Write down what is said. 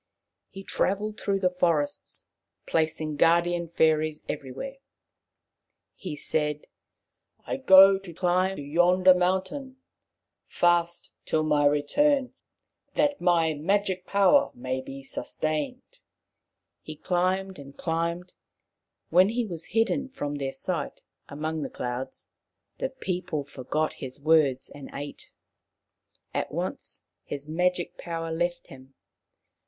He travelled through the forests, placing guardian fairies everywhere. He said : "I go to climb yonder mountain. The Wanderers 21 Fast till my return, that my magic power may be sustained/ ' He climbed and climbed. When he was hidden from their sight among the clouds, the people forgot his words and ate. At once his magic power left him.